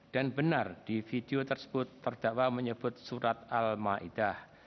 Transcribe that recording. dan benar di video tersebut terdakwa menyebut surat al maidah